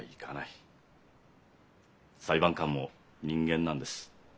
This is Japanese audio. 裁判官も人間なんです。